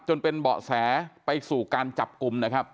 จนเป็นเบาะแสไปสู่การจับกลุ่มนะครับ